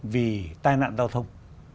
vì tai nạn giao thông